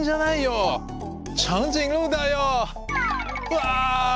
うわ！